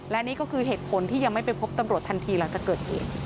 และนี่ก็คือเหตุผลที่ยังไม่ไปพบตำรวจทันทีหลังจากเกิดเหตุ